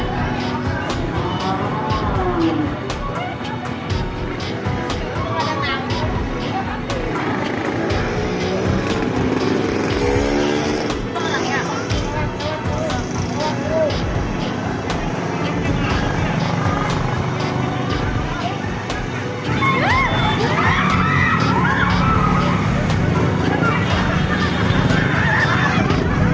jalan jalan men